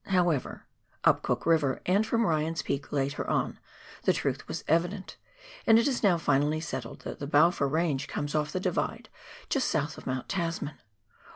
However, up Cook River and from Ryan's Peak later on, the truth was evident, and it is now finally settled that the Balfour Range comes ofi" the Divide just south of Mount Tasman.